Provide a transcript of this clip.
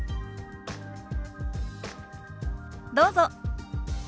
どうぞ。